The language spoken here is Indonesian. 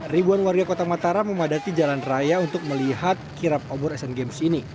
ribuan warga kota mataram memadati jalan raya untuk melihat kirap obor asian games ini